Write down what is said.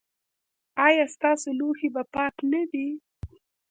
ایا ستاسو لوښي به پاک نه وي؟